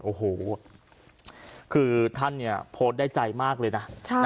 โอ้โหคือท่านเนี่ยโพสต์ได้ใจมากเลยนะ